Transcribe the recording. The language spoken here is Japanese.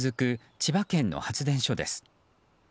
千葉県の発電所です。